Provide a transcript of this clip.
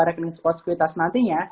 rekening sukosukitas nantinya